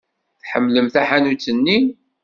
Ḥemmleɣ taḥanut-nni.